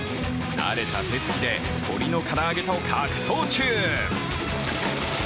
慣れた手つきで、鶏の唐揚げと格闘中。